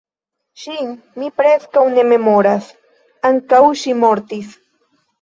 Ŝin mi preskaŭ ne memoras; ankaŭ ŝi mortis.